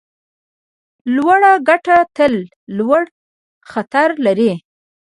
لوړه ګټه تل لوړ خطر لري.